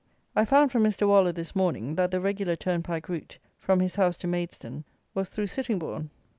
I found from Mr. Waller, this morning, that the regular turnpike route, from his house to Maidstone, was through Sittingbourne.